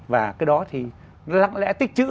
và cái đó thì lặng lẽ tích chữ